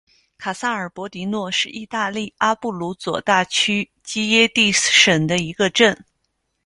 卡萨尔博迪诺是意大利阿布鲁佐大区基耶蒂省的一个镇。